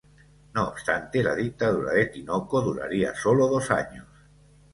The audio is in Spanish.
No obstante, la dictadura de Tinoco duraría solo dos años.